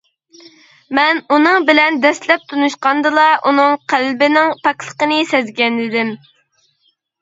مەن ئۇنىڭ بىلەن دەسلەپ تونۇشقاندىلا ئۇنىڭ قەلبىنىڭ پاكلىقىنى سەزگەنىدىم.